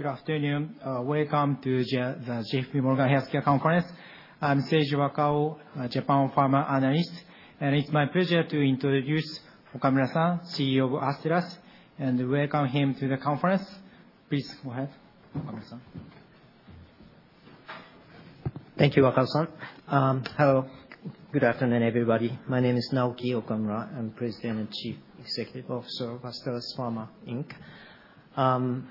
Good afternoon. Welcome to the JPMorgan Healthcare Conference. I'm Seiji Wakao, a Japan pharma analyst, and it's my pleasure to introduce Okamura-san, CEO of Astellas, and welcome him to the conference. Please go ahead, Okamura-san. Thank you, Wakao-san. Hello, good afternoon, everybody. My name is Naoki Okamura. I'm President and Chief Executive Officer of Astellas Pharma, Inc.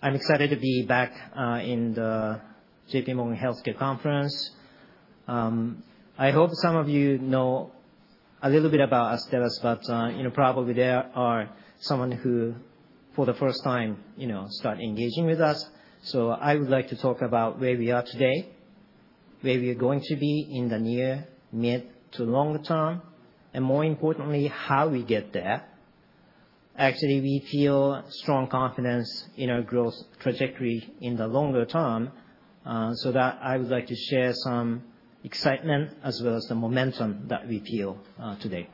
I'm excited to be back in the JPMorgan Healthcare Conference. I hope some of you know a little bit about Astellas, but probably there are some who for the first time started engaging with us. So I would like to talk about where we are today, where we are going to be in the near, mid, to long term, and more importantly, how we get there. Actually, we feel strong confidence in our growth trajectory in the longer term, so that I would like to share some excitement as well as the momentum that we feel today.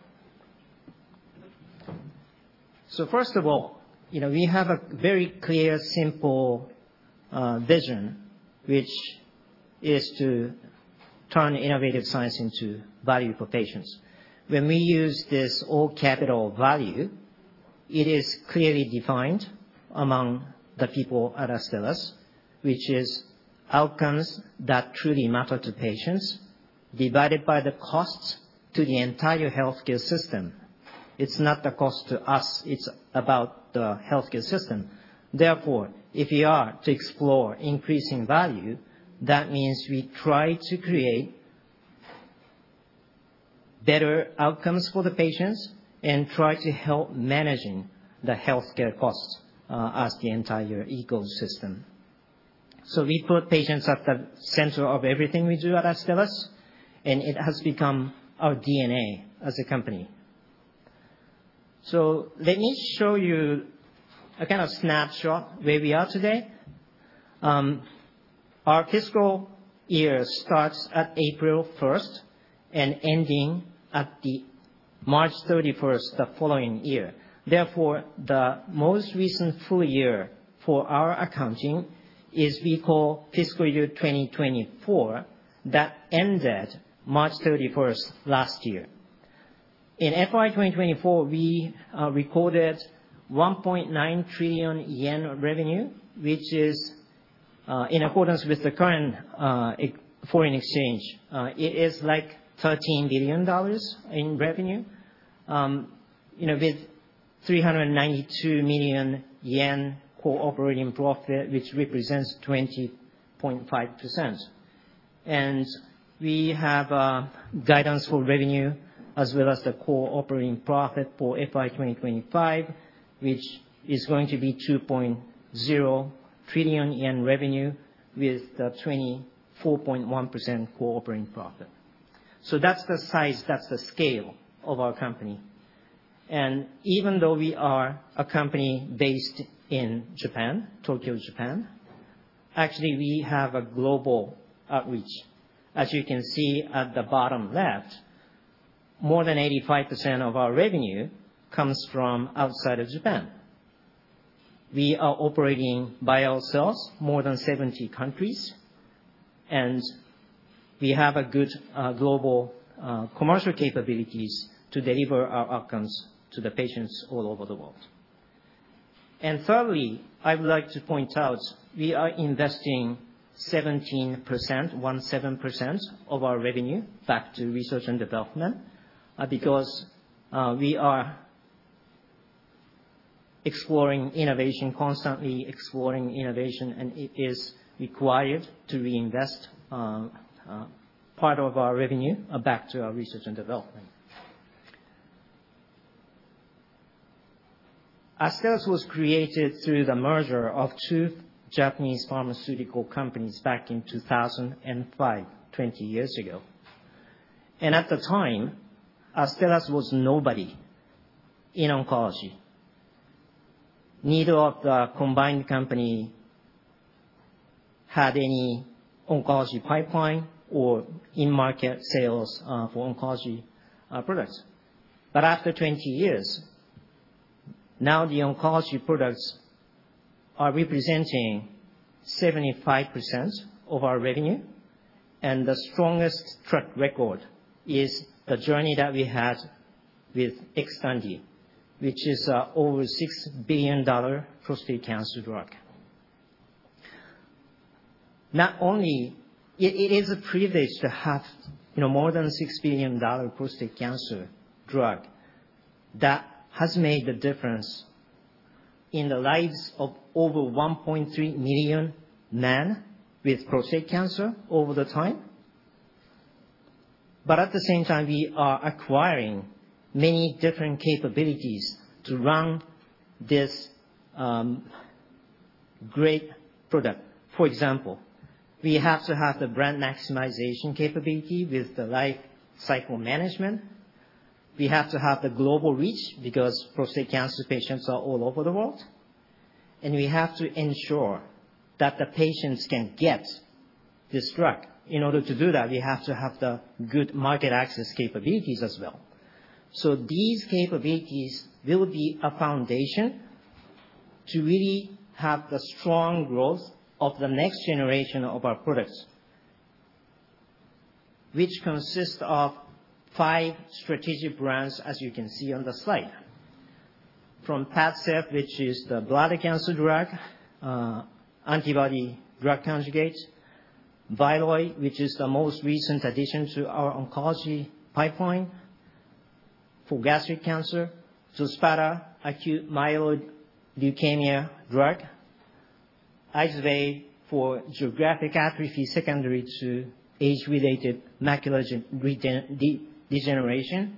So first of all, we have a very clear, simple vision, which is to turn innovative science into value for patients. When we use this all-capital VALUE, it is clearly defined among the people at Astellas, which is outcomes that truly matter to patients divided by the costs to the entire healthcare system. It's not the cost to us. It's about the healthcare system. Therefore, if we are to explore increasing value, that means we try to create better outcomes for the patients and try to help manage the healthcare costs as the entire ecosystem. So we put patients at the center of everything we do at Astellas, and it has become our DNA as a company. So let me show you a kind of snapshot of where we are today. Our fiscal year starts at April 1st and ends at March 31st the following year. Therefore, the most recent full year for our accounting is what we call fiscal year 2024 that ended March 31st last year. In FY 2024, we recorded 1.9 trillion yen revenue, which is in accordance with the current foreign exchange. It is like $13 billion in revenue with 392 billion yen operating profit, which represents 20.5%. And we have guidance for revenue as well as the operating profit for FY 2025, which is going to be 2.0 trillion yen revenue with 24.1% operating profit. So that's the size. That's the scale of our company. And even though we are a company based in Japan, Tokyo, Japan, actually, we have a global outreach. As you can see at the bottom left, more than 85% of our revenue comes from outside of Japan. We are operating by ourselves in more than 70 countries, and we have good global commercial capabilities to deliver our outcomes to the patients all over the world. And thirdly, I would like to point out we are investing 17%, 17% of our revenue back to research and development because we are exploring innovation, constantly exploring innovation, and it is required to reinvest part of our revenue back to our research and development. Astellas was created through the merger of two Japanese pharmaceutical companies back in 2005, 20 years ago. And at the time, Astellas was nobody in oncology. Neither of the combined companies had any oncology pipeline or in-market sales for oncology products. But after 20 years, now the oncology products are representing 75% of our revenue, and the strongest track record is the journey that we had with XTANDI, which is an over $6 billion prostate cancer drug. Not only is it a privilege to have more than $6 billion prostate cancer drug, that has made the difference in the lives of over 1.3 million men with prostate cancer over time, but at the same time, we are acquiring many different capabilities to run this great product. For example, we have to have the brand maximization capability with the life cycle management. We have to have the global reach because prostate cancer patients are all over the world, and we have to ensure that the patients can get this drug. In order to do that, we have to have the good market access capabilities as well, so these capabilities will be a foundation to really have the strong growth of the next generation of our products, which consists of five strategic brands, as you can see on the slide. From PADCEV, which is the bladder cancer drug, antibody drug conjugate, VYLOY, which is the most recent addition to our oncology pipeline for gastric cancer, XOSPATA, acute myeloid leukemia drug, IZERVAY for geographic atrophy secondary to age-related macular degeneration,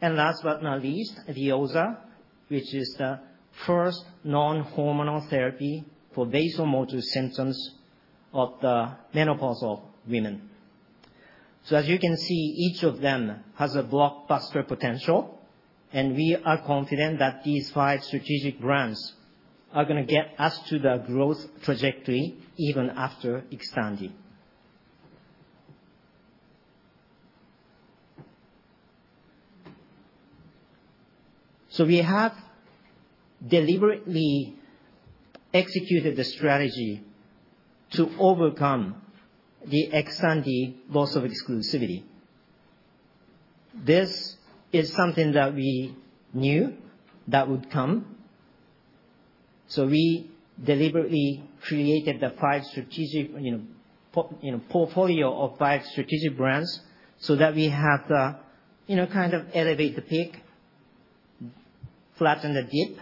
and last but not least, VEOZAH, which is the first non-hormonal therapy for vasomotor symptoms of the menopausal women. So as you can see, each of them has a blockbuster potential, and we are confident that these five strategic brands are going to get us to the growth trajectory even after XTANDI. So we have deliberately executed the strategy to overcome the XTANDI loss of exclusivity. This is something that we knew that would come. So we deliberately created the portfolio of five strategic brands so that we have to kind of elevate the peak, flatten the dip.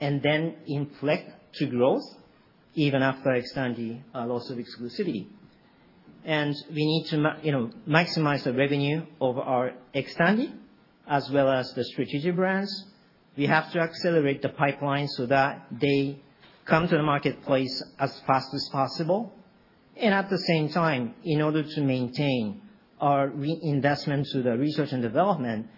And then inflect to growth even after XTANDI loss of exclusivity. We need to maximize the revenue of our XTANDI as well as the strategic brands. We have to accelerate the pipeline so that they come to the marketplace as fast as possible. At the same time, in order to maintain our reinvestment to the research and development,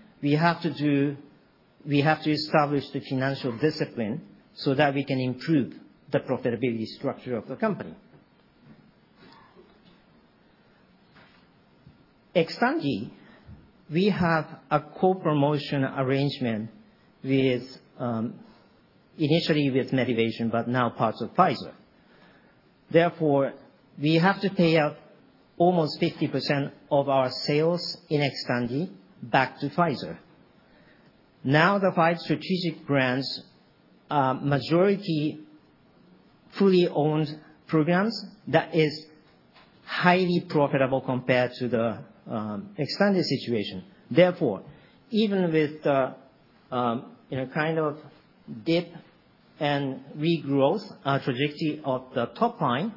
we have to establish the financial discipline so that we can improve the profitability structure of the company. XTANDI, we have a co-promotion arrangement initially with Medivation, but now part of Pfizer. Therefore, we have to pay up almost 50% of our sales in XTANDI back to Pfizer. Now the five strategic brands, majority fully owned programs, that is highly profitable compared to the XTANDI situation. Therefore, even with the kind of dip and regrowth trajectory of the top line,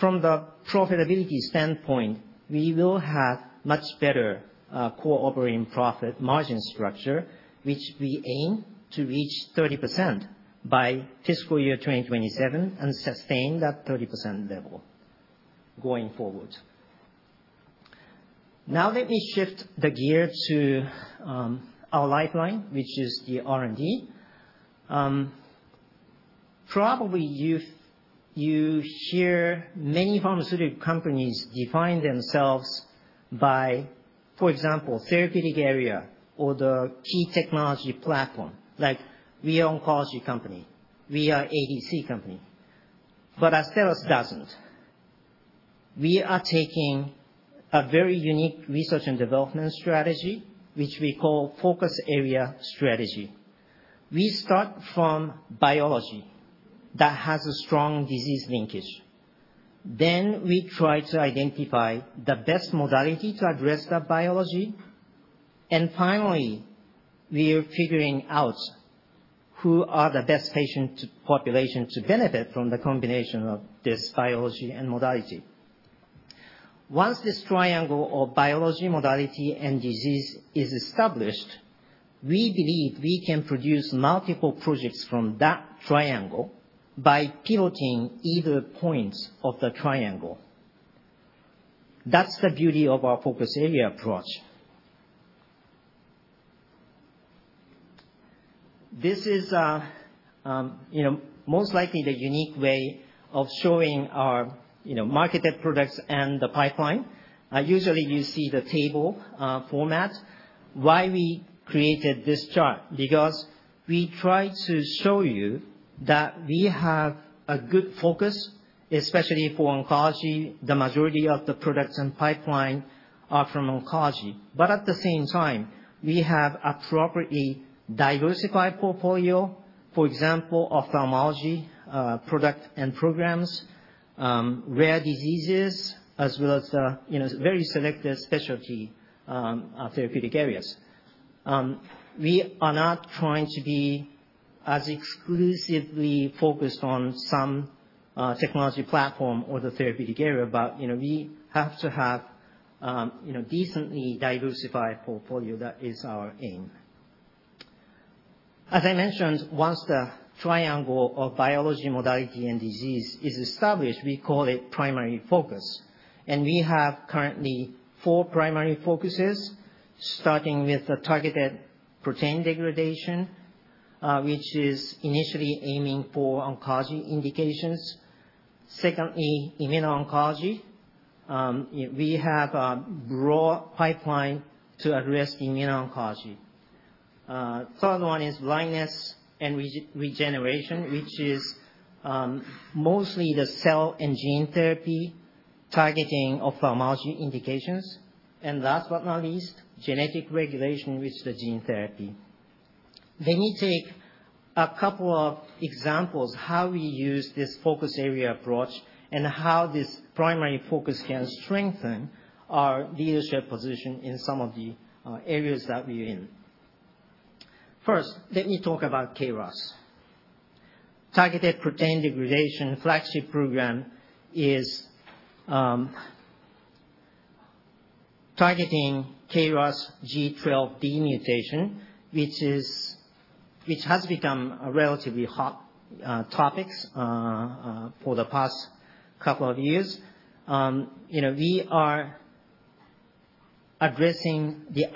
from the profitability standpoint, we will have much better operating profit margin structure, which we aim to reach 30% by fiscal year 2027 and sustain that 30% level going forward. Now let me shift gears to our lifeline, which is the R&D. Probably you hear many pharmaceutical companies define themselves by, for example, therapeutic area or the key technology platform, like we are an oncology company, we are an ADC company. But Astellas doesn't. We are taking a very unique research and development strategy, which we call focus area strategy. We start from biology that has a strong disease linkage. Then we try to identify the best modality to address that biology. And finally, we are figuring out who are the best patient population to benefit from the combination of this biology and modality. Once this triangle of biology, modality, and disease is established, we believe we can produce multiple projects from that triangle by pivoting either points of the triangle. That's the beauty of our focus area approach. This is most likely the unique way of showing our marketed products and the pipeline. Usually, you see the table format. Why we created this chart? Because we try to show you that we have a good focus, especially for oncology. The majority of the products and pipeline are from oncology. But at the same time, we have an appropriately diversified portfolio, for example, of ophthalmology products and programs, rare diseases, as well as very selective specialty therapeutic areas. We are not trying to be as exclusively focused on some technology platform or the therapeutic area, but we have to have a decently diversified portfolio. That is our aim. As I mentioned, once the triangle of biology, modality, and disease is established, we call it primary focus, and we have currently four primary focuses, starting with Targeted Protein Degradation, which is initially aiming for oncology indications. Secondly, Immuno-Oncology. We have a broad pipeline to address Immuno-Oncology. The third one is Blindness and Regeneration, which is mostly the cell and gene therapy targeting of ophthalmology indications. And last but not least, Genetic Regulation with the gene therapy. Let me take a couple of examples of how we use this Focus Area Approach and how this primary focus can strengthen our leadership position in some of the areas that we're in. First, let me talk about KRAS. Targeted Protein Degradation flagship program is targeting KRAS G12D mutation, which has become a relatively hot topic for the past couple of years. We are addressing the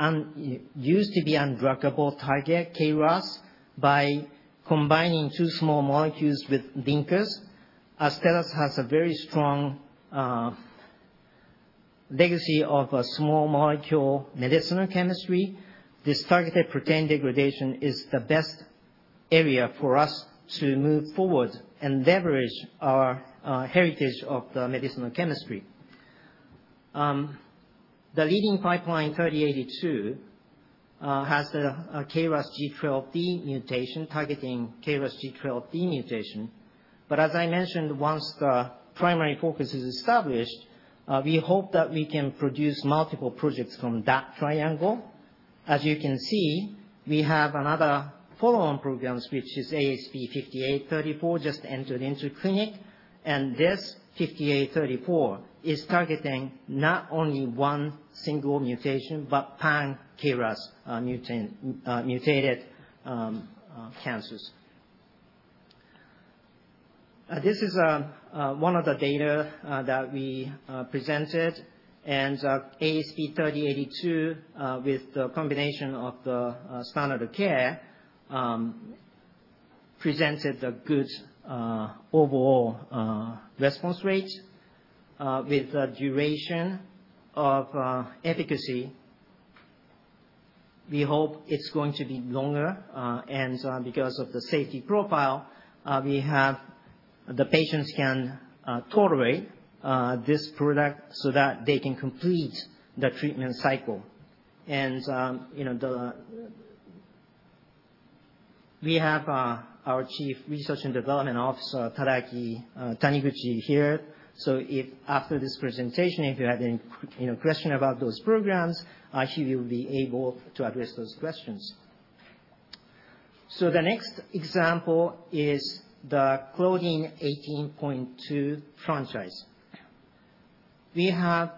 used to be undruggable target, KRAS, by combining two small molecules with linkers. Astellas has a very strong legacy of small molecule medicinal chemistry. This targeted protein degradation is the best area for us to move forward and leverage our heritage of the medicinal chemistry. The leading pipeline ASP3082 has the KRAS G12D mutation targeting KRAS G12D mutation, but as I mentioned, once the primary focus is established, we hope that we can produce multiple projects from that triangle. As you can see, we have another follow-on program, which is ASP5834, just entered into clinic, and this ASP5834 is targeting not only one single mutation, but pan-KRAS mutated cancers. This is one of the data that we presented, and ASP3082, with the combination of the standard of care, presented a good overall response rate with a duration of efficacy. We hope it's going to be longer. And because of the safety profile, we have the patients can tolerate this product so that they can complete the treatment cycle. And we have our Chief Research and Development Officer, Tadaaki Taniguchi, here. So after this presentation, if you have any questions about those programs, he will be able to address those questions. So the next example is the Claudin 18.2 franchise. We have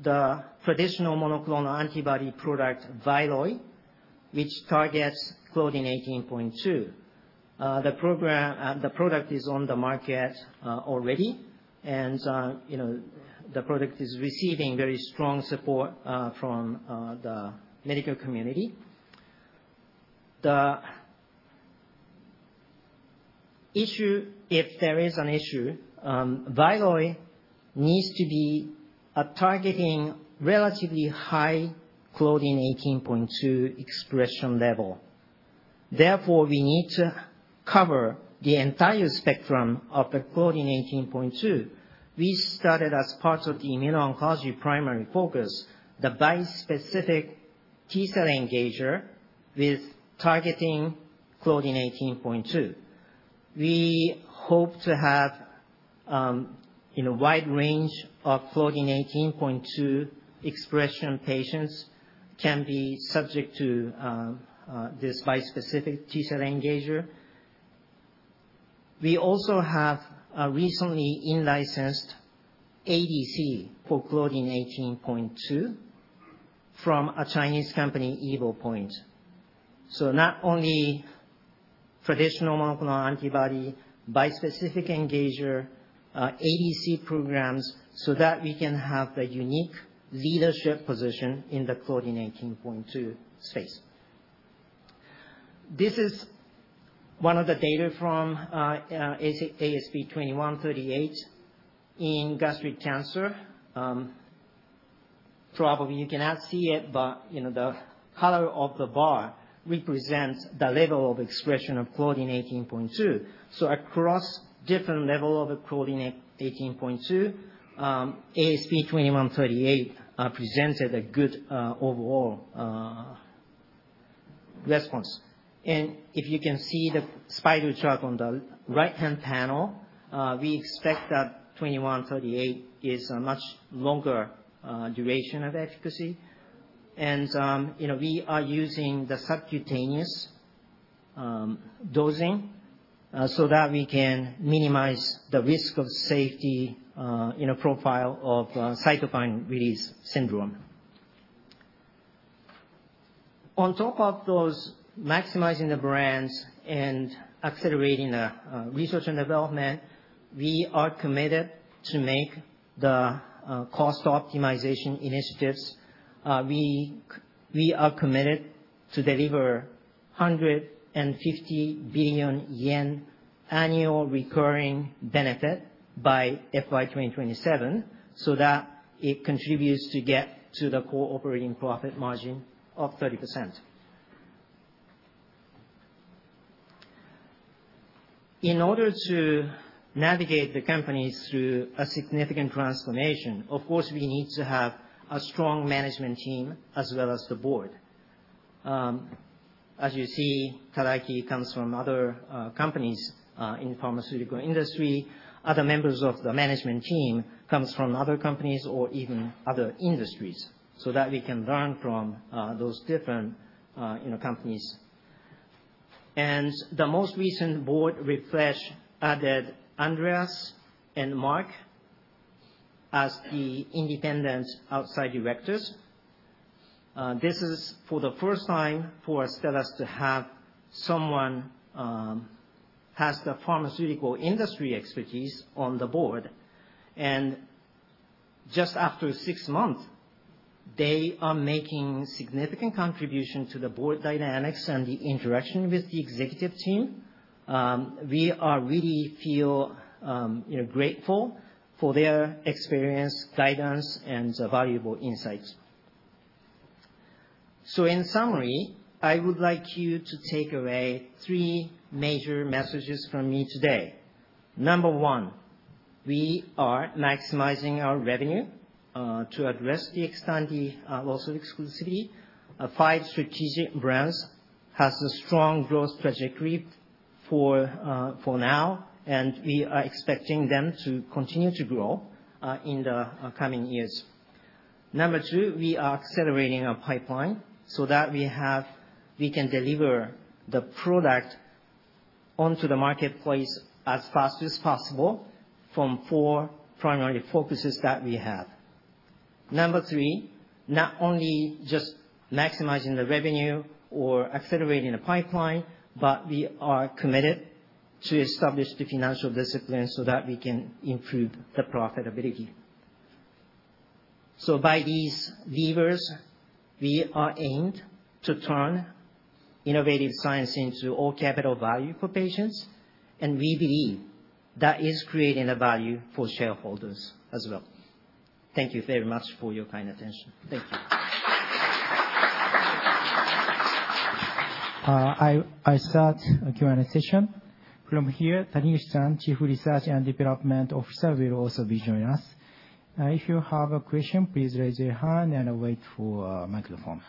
the traditional monoclonal antibody product, VYLOY, which targets Claudin 18.2. The product is on the market already, and the product is receiving very strong support from the medical community. The issue, if there is an issue, VYLOY needs to be targeting relatively high Claudin 18.2 expression level. Therefore, we need to cover the entire spectrum of the Claudin 18.2. We started as part of the immuno-oncology primary focus, the bispecific T-cell engager with targeting Claudin 18.2. We hope to have a wide range of Claudin 18.2 expression patients can be subject to this bispecific T-cell engager. We also have a recently in-licensed ADC for Claudin 18.2 from a Chinese company, Evopoint, so not only traditional monoclonal antibody, bispecific engager, ADC programs so that we can have the unique leadership position in the Claudin 18.2 space. This is one of the data from ASP2138 in gastric cancer. Probably you cannot see it, but the color of the bar represents the level of expression of Claudin 18.2, so across different levels of Claudin 18.2, ASP2138 presented a good overall response, and if you can see the spider chart on the right-hand panel, we expect that 2138 is a much longer duration of efficacy, and we are using the subcutaneous dosing so that we can minimize the risk of safety profile of cytokine release syndrome. On top of those, maximizing the brands and accelerating the research and development, we are committed to make the cost optimization initiatives. We are committed to deliver 150 billion yen annual recurring benefit by FY 2027 so that it contributes to get to the operating profit margin of 30%. In order to navigate the companies through a significant transformation, of course, we need to have a strong management team as well as the board. As you see, Tadaaki comes from other companies in the pharmaceutical industry. Other members of the management team come from other companies or even other industries so that we can learn from those different companies, and the most recent board refresh added Andreas and Mark as the independent outside directors. This is for the first time for Astellas to have someone who has the pharmaceutical industry expertise on the board. Just after six months, they are making significant contributions to the board dynamics and the interaction with the executive team. We really feel grateful for their experience, guidance, and valuable insights. In summary, I would like you to take away three major messages from me today. Number one, we are maximizing our revenue to address the XTANDI loss of exclusivity. Five strategic brands have a strong growth trajectory for now, and we are expecting them to continue to grow in the coming years. Number two, we are accelerating our pipeline so that we can deliver the product onto the marketplace as fast as possible from four primary focuses that we have. Number three, not only just maximizing the revenue or accelerating the pipeline, but we are committed to establish the financial discipline so that we can improve the profitability. So by these levers, we are aimed to turn innovative science into all capital value for patients. And we believe that is creating a value for shareholders as well. Thank you very much for your kind attention. Thank you. I start a Q&A session. From here, Taniguchi-san, Chief Research and Development Officer, will also be joining us. If you have a question, please raise your hand and wait for a microphone.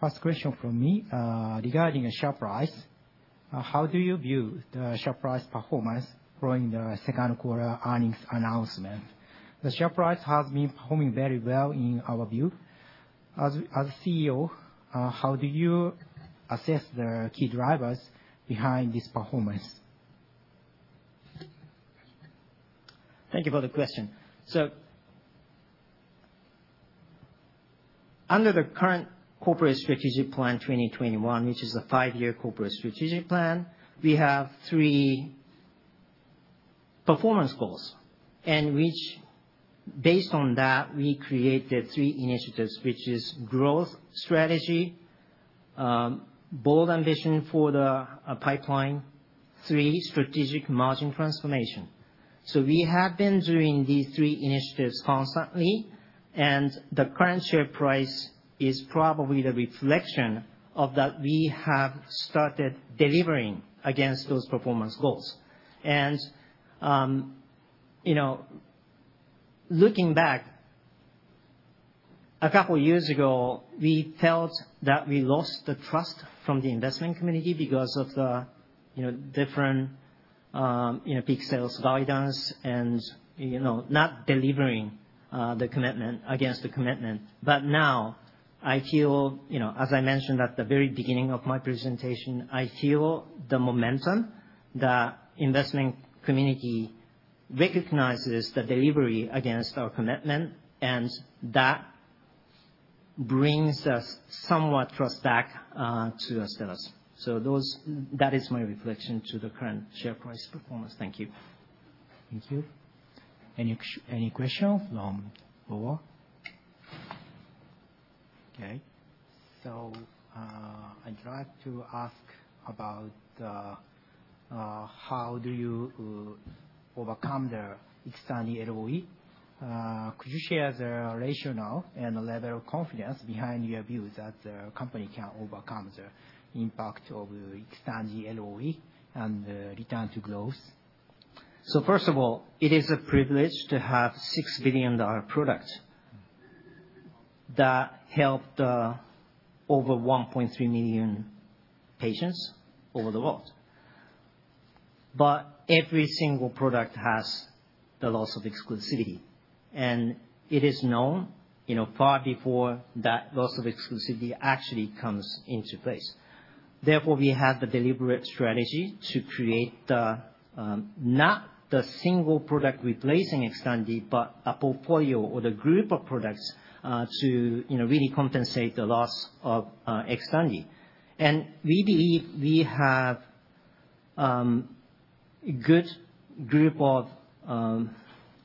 First question from me regarding the stock price. How do you view the stock price's performance following the second quarter earnings announcement? The stock price has been performing very well in our view. As a CEO, how do you assess the key drivers behind this performance? Thank you for the question. So under the current corporate strategic plan 2021, which is a five-year corporate strategic plan, we have three performance goals. And based on that, we created three initiatives, which are growth strategy, bold ambition for the pipeline, and three strategic margin transformation. So we have been doing these three initiatives constantly. And the current share price is probably the reflection of that we have started delivering against those performance goals. And looking back, a couple of years ago, we felt that we lost the trust from the investment community because of the different big sales guidance and not delivering against the commitment. But now, I feel, as I mentioned at the very beginning of my presentation, I feel the momentum that the investment community recognizes the delivery against our commitment, and that brings us somewhat trust back to Astellas. That is my reflection to the current share price performance. Thank you. Thank you. Any questions from the board? Okay. So I'd like to ask about how do you overcome the XTANDI LOE? Could you share the rationale and the level of confidence behind your views that the company can overcome the impact of XTANDI LOE and return to growth? First of all, it is a privilege to have a $6 billion product that helped over 1.3 million patients around the world. Every single product has the loss of exclusivity. It is known far before that loss of exclusivity actually comes into place. Therefore, we have the deliberate strategy to create not the single product replacing XTANDI, but a portfolio or the group of products to really compensate the loss of XTANDI. We believe we have a good group of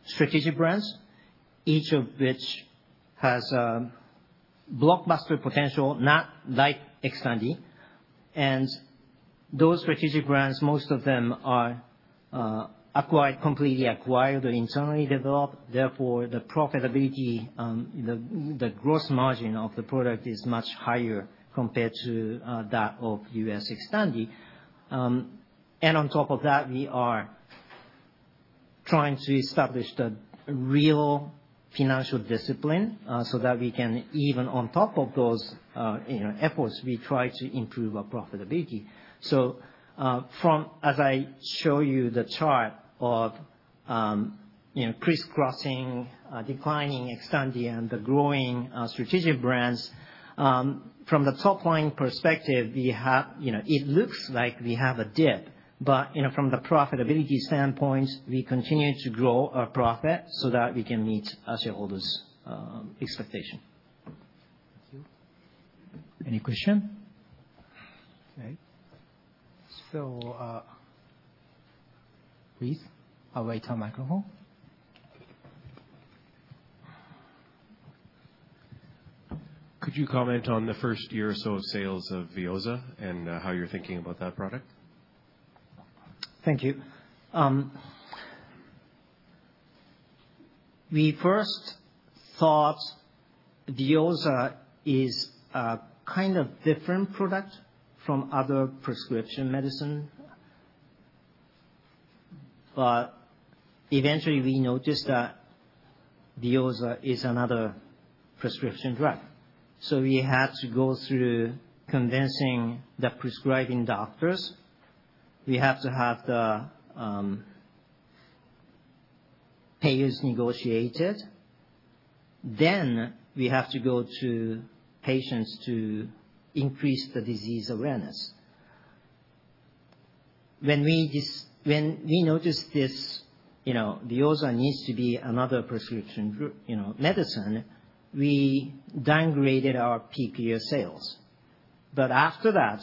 strategic brands, each of which has blockbuster potential, not like XTANDI. Those strategic brands, most of them are completely acquired or internally developed. Therefore, the profitability, the gross margin of the product is much higher compared to that of U.S. XTANDI. And on top of that, we are trying to establish the real financial discipline so that we can, even on top of those efforts, we try to improve our profitability. So as I show you the chart of crisscrossing, declining XTANDI, and the growing strategic brands, from the top-line perspective, it looks like we have a dip. But from the profitability standpoint, we continue to grow our profit so that we can meet our shareholders' expectation. Thank you. Any questions? Okay. So please await our microphone. Could you comment on the first year or so of sales of VEOZAH and how you're thinking about that product? Thank you. We first thought VEOZAH is a kind of different product from other prescription medicines. But eventually, we noticed that VEOZAH is another prescription drug. So we had to go through convincing the prescribing doctors. We have to have the payers negotiate it. Then we have to go to patients to increase the disease awareness. When we noticed this VEOZAH needs to be another prescription medicine, we downgraded our peak year sales. But after that,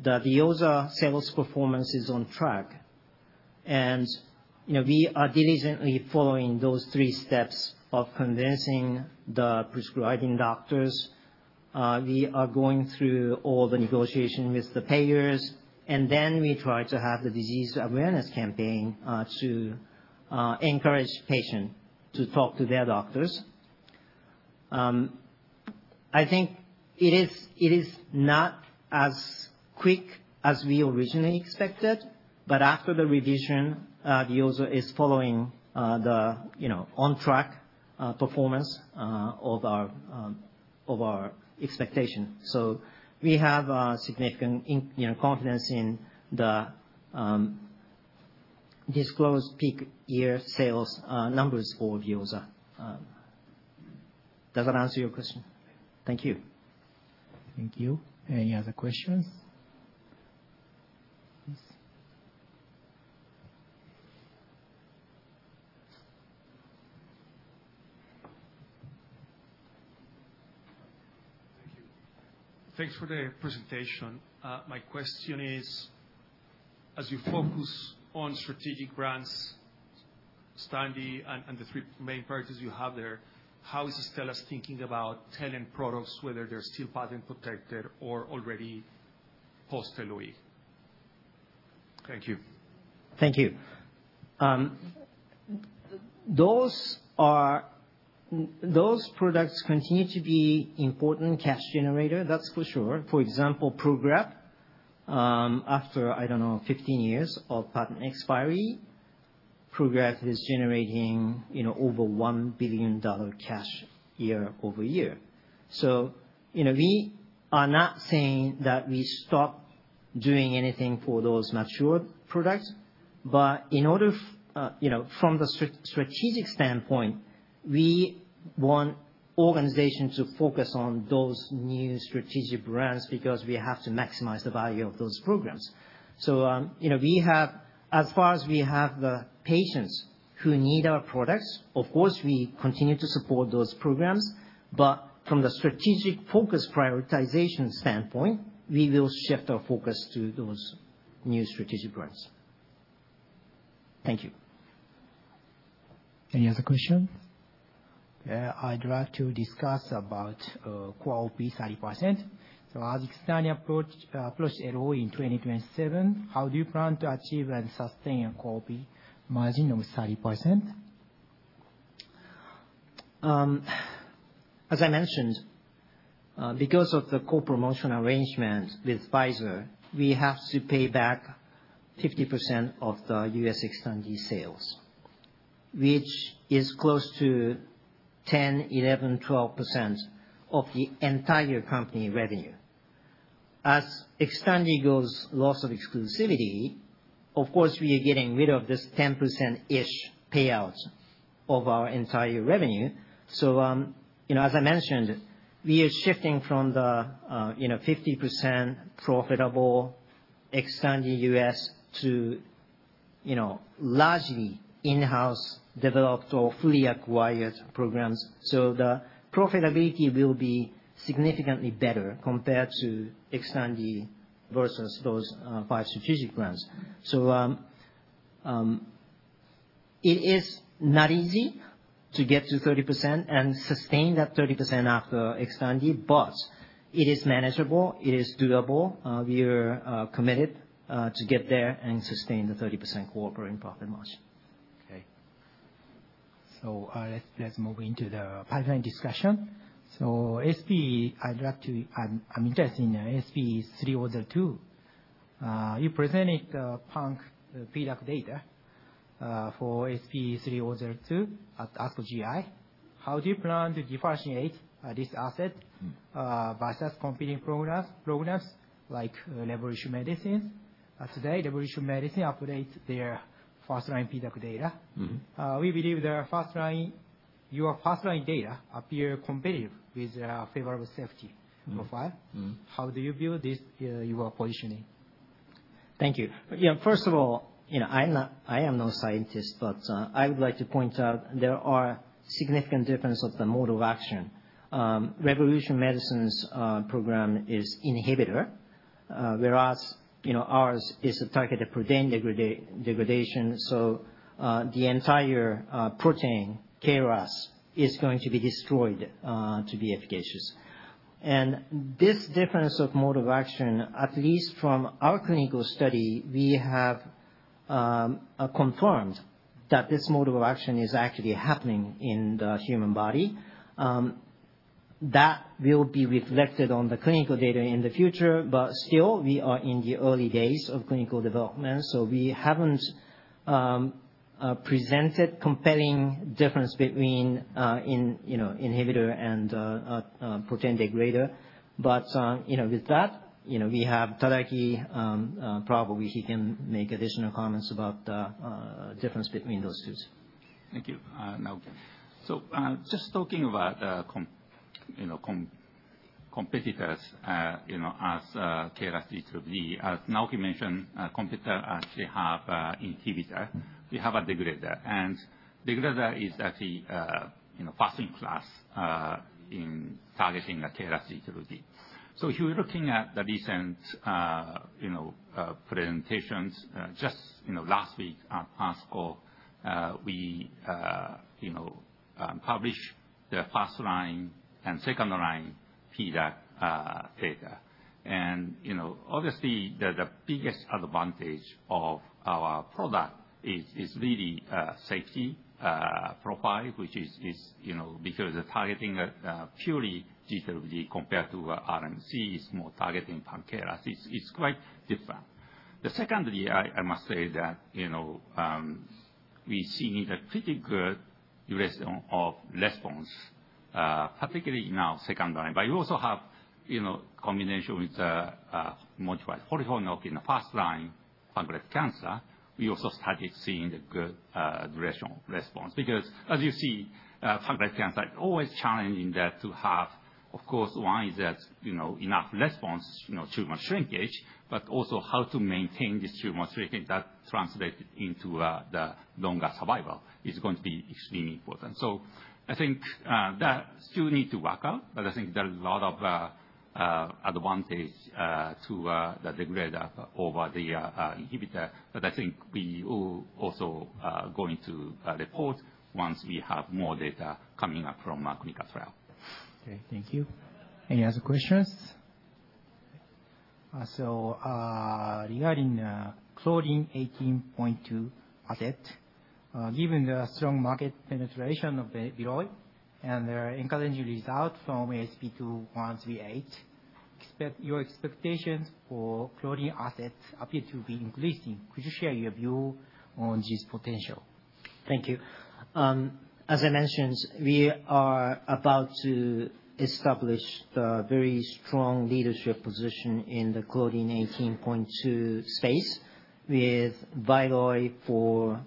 the VEOZAH sales performance is on track. And we are diligently following those three steps of convincing the prescribing doctors. We are going through all the negotiations with the payers. And then we try to have the disease awareness campaign to encourage patients to talk to their doctors. I think it is not as quick as we originally expected. But after the revision, VEOZAH is following the on-track performance of our expectation. We have significant confidence in the disclosed peak year sales numbers for VEOZAH. Does that answer your question? Thank you. Thank you. Any other questions? Thank you. Thanks for the presentation. My question is, as you focus on strategic brands, XTANDI, and the three main priorities you have there, how is Astellas thinking about talent products, whether they're still patent protected or already post-LOE? Thank you. Thank you. Those products continue to be important cash generators, that's for sure. For example, PROGRAF, after, I don't know, 15 years of patent expiration, PROGRAF is generating over $1 billion cash year-over-year. So we are not saying that we stopped doing anything for those mature products. But from the strategic standpoint, we want organizations to focus on those new strategic brands because we have to maximize the value of those programs. So as far as we have the patients who need our products, of course, we continue to support those programs. But from the strategic focus prioritization standpoint, we will shift our focus to those new strategic brands. Thank you. Any other questions? Yeah. I'd like to discuss about gross 30%. So as XTANDI approaches LOE in 2027, how do you plan to achieve and sustain a gross margin of 30%? As I mentioned, because of the co-promotion arrangement with Pfizer, we have to pay back 50% of the U.S. XTANDI sales, which is close to 10%, 11%, 12% of the entire company revenue. As XTANDI goes loss of exclusivity, of course, we are getting rid of this 10%-ish payout of our entire revenue. So as I mentioned, we are shifting from the 50% profitable XTANDI U.S. to largely in-house developed or fully acquired programs. So the profitability will be significantly better compared to XTANDI versus those five Strategic Brands. So it is not easy to get to 30% and sustain that 30% after XTANDI. But it is manageable. It is doable. We are committed to get there and sustain the 30% core operating profit margin. Okay. So let's move into the pipeline discussion. So I'm interested in ASP3082. You presented the PDAC data for ASP3082 at ASCO GI. How do you plan to differentiate this asset versus competing programs like Revolution Medicines? Today, Revolution Medicines updates their first-line PDAC data. We believe your first-line data appear competitive with favorable safety profile. How do you view this in your positioning? Thank you. Yeah. First of all, I am no scientist, but I would like to point out there are significant differences of the mode of action. Revolution Medicines' program is inhibitor, whereas ours is a targeted protein degradation. So the entire protein KRAS is going to be destroyed to be efficacious. And this difference of mode of action, at least from our clinical study, we have confirmed that this mode of action is actually happening in the human body. That will be reflected on the clinical data in the future. But still, we are in the early days of clinical development. So we haven't presented compelling difference between inhibitor and protein degrader. But with that, we have Tadaaki probably. He can make additional comments about the difference between those two. Thank you. Now, just talking about competitors as KRAS G12D, as Naoki mentioned, competitors actually have inhibitor. We have a degrader. And degrader is actually first-in-class in targeting a KRAS G12D. So if you're looking at the recent presentations, just last week at ASCO, we published the first-line and second-line PDAC data. And obviously, the biggest advantage of our product is really safety profile, which is because targeting purely G12D compared to RMC is more targeting pan-KRAS. It's quite different. The secondly, I must say that we've seen a pretty good duration of response, particularly in our second line. But we also have combination with modified FOLFIRINOX in the first-line, pancreatic cancer. We also started seeing a good duration of response because, as you see, pancreatic cancer is always challenging that to have, of course, one is that enough response to shrinkage, but also how to maintain this tumor shrinkage that translates into the longer survival is going to be extremely important, so I think that still needs to work out, but I think there are a lot of advantages to the degrader over the inhibitor, but I think we will also go into report once we have more data coming up from our clinical trial. Okay. Thank you. Any other questions? So regarding Claudin 18.2 asset, given the strong market penetration of VYLOY and the encouraging results from ASP2138, your expectations for Claudin 18.2 asset appear to be increasing. Could you share your view on this potential? Thank you. As I mentioned, we are about to establish the very strong leadership position in the Claudin 18.2 space with VYLOY for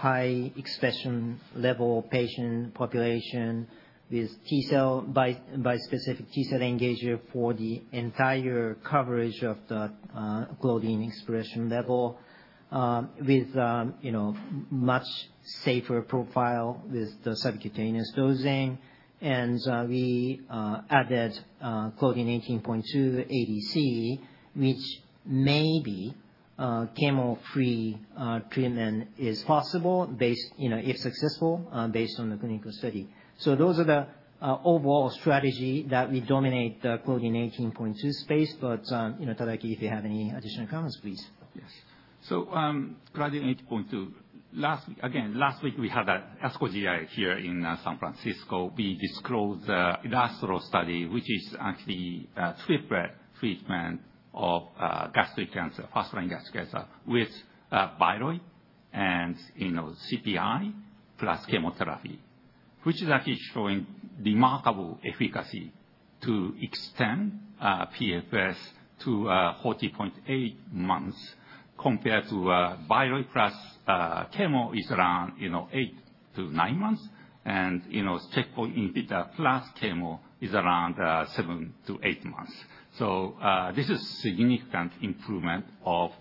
high expression level patient population with T-cell bispecific T-cell engager for the entire coverage of the Claudin expression level with a much safer profile with the subcutaneous dosing. And we added Claudin 18.2 ADC, which maybe chemo-free treatment is possible if successful based on the clinical study. So those are the overall strategy that we dominate the Claudin 18.2 space. But Tadaaki, if you have any additional comments, please. Yes. So, Claudin 18.2. Again, last week, we had ASCO GI here in San Francisco. We disclosed the ILUSTRO study, which is actually a triple treatment of gastric cancer, first-line gastric cancer, with VYLOY and CPI plus chemotherapy, which is actually showing remarkable efficacy to extend PFS to 40.8 months compared to VYLOY plus chemo is around 8-9 months. And checkpoint inhibitor plus chemo is around 7-8 months. So this is a significant improvement of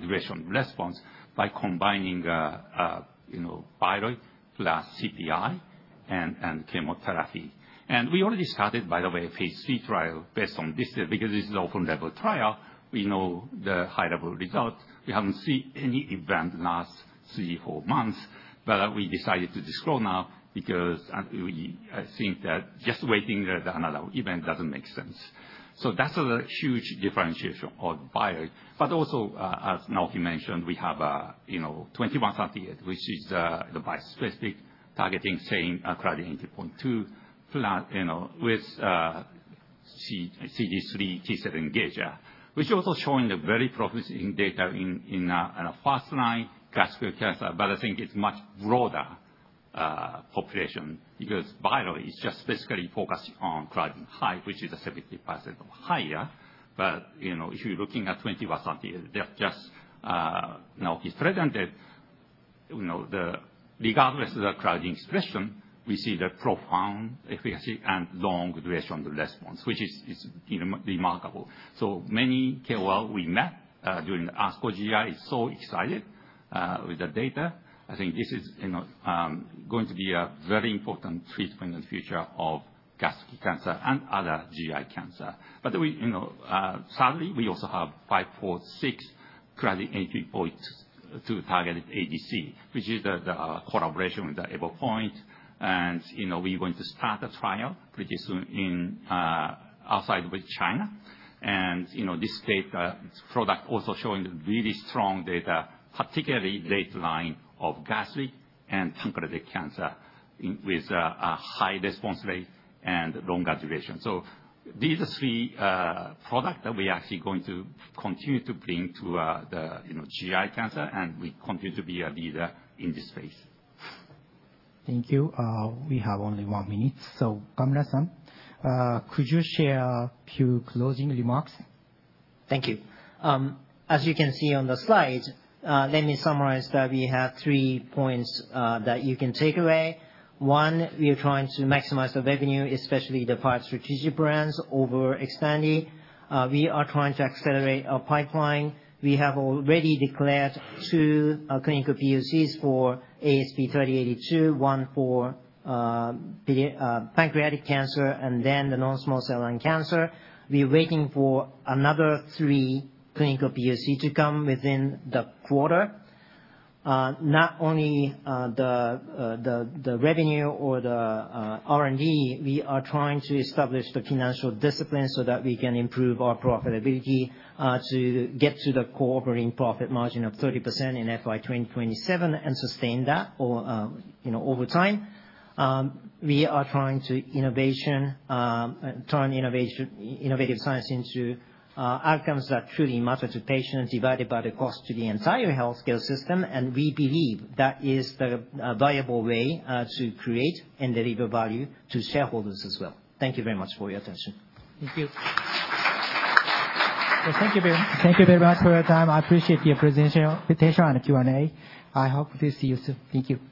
duration response by combining VYLOY plus CPI and chemotherapy. And we already started, by the way, a phase three trial based on this because this is an open-label trial. We know the high-level results. We haven't seen any event in the last three or four months. But we decided to disclose now because we think that just waiting another event doesn't make sense. So that's a huge differentiation of VYLOY. But also, as Naoki mentioned, we have 2138, which is the bispecific targeting same Claudin 18.2 with CD3 T-cell engager, which is also showing very promising data in first-line gastric cancer. But I think it is a much broader population because VYLOY is just specifically focused on Claudin high, which is a 70% higher. But if you are looking at 2138, as Naoki just presented. Regardless of the Claudin expression, we see the profound efficacy and long duration response, which is remarkable. So many KOL we met during the ASCO GI is so excited with the data. I think this is going to be a very important treatment in the future of gastric cancer and other GI cancer. But thirdly, we also have 546 Claudin 18.2 targeted ADC, which is the collaboration with Evopoint. And we are going to start a trial pretty soon outside of China. And this late-stage product also showing really strong data, particularly late line of gastric and pancreatic cancer with a high response rate and longer duration. So these are three products that we are actually going to continue to bring to the GI cancer. And we continue to be a leader in this space. Thank you. We have only one minute. So Okamura-san, could you share a few closing remarks? Thank you. As you can see on the slide, let me summarize that we have three points that you can take away. One, we are trying to maximize the revenue, especially the five strategic brands over XTANDI. We are trying to accelerate our pipeline. We have already declared two clinical POCs for ASP3082, one for pancreatic cancer, and then the non-small cell lung cancer. We are waiting for another three clinical POCs to come within the quarter. Not only the revenue or the R&D, we are trying to establish the financial discipline so that we can improve our profitability to get to the core operating profit margin of 30% in FY 2027 and sustain that over time. We are trying to innovate, turn innovative science into outcomes that truly matter to patients divided by the cost to the entire healthcare system. We believe that is the viable way to create and deliver value to shareholders as well. Thank you very much for your attention. Thank you. Thank you very much for your time. I appreciate your presentation and Q&A. I hope to see you soon. Thank you. Thank you.